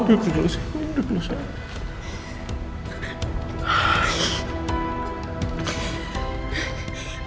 udah udah sayang